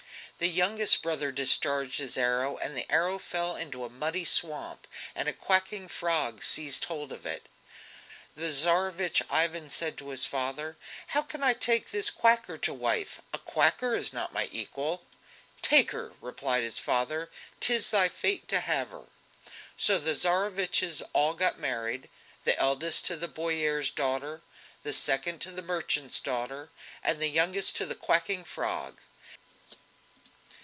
The youngest brother discharged his arrow, and the arrow fell into a muddy swamp, and a quacking frog seized hold of it. [Footnote 17: Nobleman.] [Footnote 18: The women's apartments.] The Tsarevich Ivan said to his father: "How can I ever take this quacker to wife? A quacker is not my equal!" "Take her!" replied his father, "'tis thy fate to have her!" So the Tsareviches all got married the eldest to the boyar's daughter, the second to the merchant's daughter, and the youngest to the quacking frog.